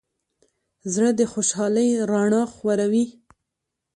زړه د خوشحالۍ رڼا خوروي.